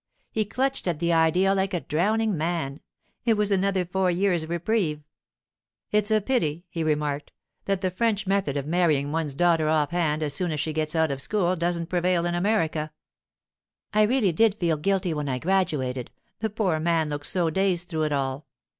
He clutched at the idea like a drowning man; it was another four years' reprieve.' 'It's a pity,' he remarked, 'that the French method of marrying one's daughter offhand as soon as she gets out of school doesn't prevail in America.' 'I really did feel guilty when I graduated, the poor man looked so dazed through it all.